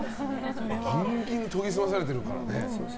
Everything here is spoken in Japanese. ギンギンに研ぎ澄まされてるからね。